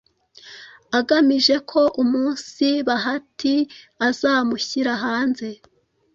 agamije ko umunsi bahati azamushyira hanze